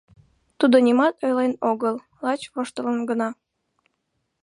Тудо нимат ойлен огыл, лач воштылын гына.